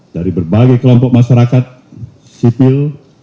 dari berbagai kelompok masyarakat sipil